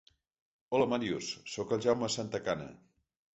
Hola Màrius, sóc el Jaume Santacana.